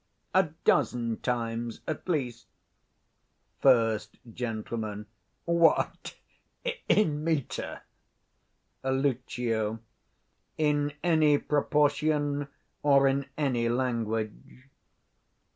a dozen times at least. 20 First Gent. What, in metre? Lucio. In any proportion or in any language.